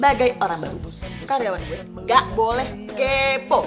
sebagai orang baru karyawan gak boleh kepo